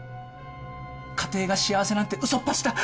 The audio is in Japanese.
家庭が幸せなんてうそっぱちだ。